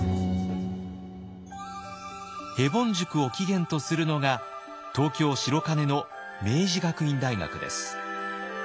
ヘボン塾を起源とするのが東京・白金の明治学院大学です。